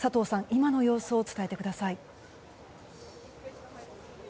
今の様子を伝えてください。